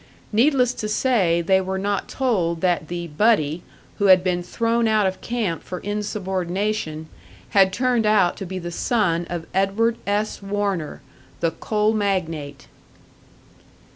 Needless to say they were not told that the "buddy" who had been thrown out of camp for insubordination had turned out to be the son of Edward S. Warner, the "coal magnate."